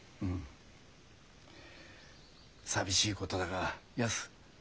寂しいことだがやす